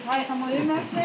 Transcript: すいません。